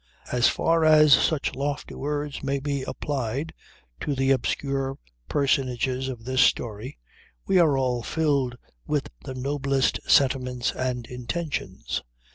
As far as such lofty words may be applied to the obscure personages of this story we were all filled with the noblest sentiments and intentions.